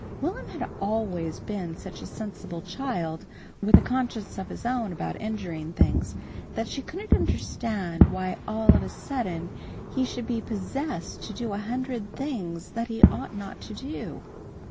Will'm had always been such a sensible child, with a conscience of his own about injuring things, that she couldn't understand why all of a sudden he should be possessed to do a hundred things that he ought not to do.